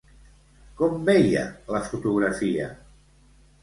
Com veia la fotografia?